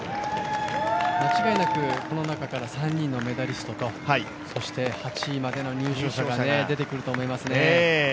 間違いなくこの中から３人のメダリストと、そして８位までの入賞者が出てくると思います。